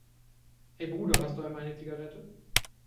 Hey Bruder, hast du einmal eine Zigarette?